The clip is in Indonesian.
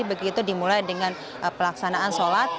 begitu dimulai dengan pelaksanaan sholat